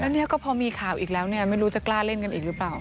แล้วเนี่ยก็พอมีข่าวอีกแล้วเนี่ยไม่รู้จะกล้าเล่นกันอีกหรือเปล่า